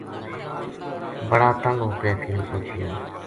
بڑا تنگ ہو کے کیل پوہچیا